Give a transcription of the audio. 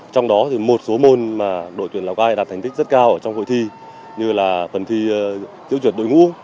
trong đó một số môn mà đội tuyển lào cai đã thành tích rất cao trong hội thi như là phần thi tiêu chuẩn đội ngũ